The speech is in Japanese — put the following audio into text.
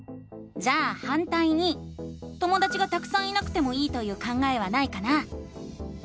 じゃあ「反対に」ともだちがたくさんいなくてもいいという考えはないかな？